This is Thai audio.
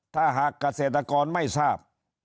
ถ้าหากเกษตรกรไม่ทราบ